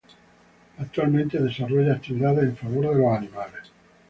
Actualmente desarrolla actividades en favor de los animales.